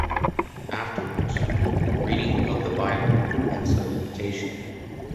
Afterwards, reading of the Bible and some meditation.